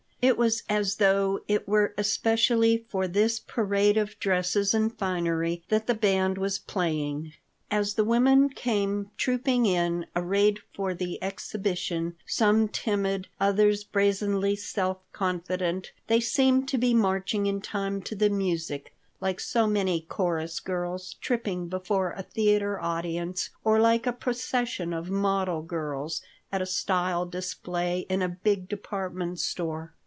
It was as though it were especially for this parade of dresses and finery that the band was playing. As the women came trooping in, arrayed for the exhibition, some timid, others brazenly self confident, they seemed to be marching in time to the music, like so many chorus girls tripping before a theater audience, or like a procession of model girls at a style display in a big department store.